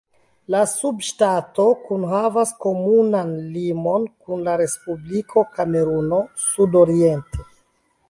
La subŝtato kunhavas komunan limon kun la Respubliko Kameruno sudoriente.